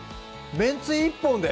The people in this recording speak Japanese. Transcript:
めんつゆ１本で？